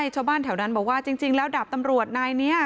ชาวบ้านแถวนั้นบอกว่าจริงแล้วดาบตำรวจนายนี้